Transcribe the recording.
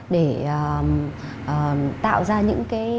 để tạo ra những